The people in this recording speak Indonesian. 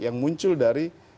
yang muncul dari